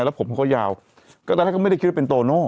แล้วผมก็ยาวก็ตอนแรกก็ไม่ได้คิดว่าเป็นโตโน่